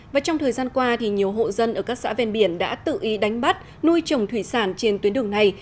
và trong thời gian qua nhiều hộ dân ở các xã ven biển đã tự ý đánh bắt nuôi trồng thủy sản trên tuyến đường này